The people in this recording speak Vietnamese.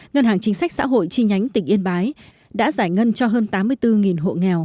ngân hàng chính sách xã hội chi nhánh tỉnh yên bái đã giải ngân cho hơn tám mươi bốn hộ nghèo